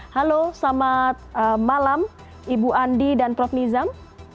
halo selamat malam ibu andi dan prof nizam